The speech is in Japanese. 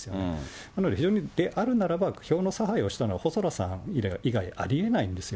なので、非常にであるならば、票の差配をしたのは細田さん以外ありえないんですよ。